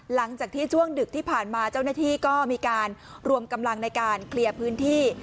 หลังจากที่ช่วงดึกที่ผ่านมาเจ้าหน้าที่ก็มีการรวมกำลังในการเคลียร์พื้นที่